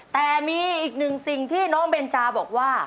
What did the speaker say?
แต่มีอีกหนึ่งสิ่งที่น้องเบนจาบอกว่า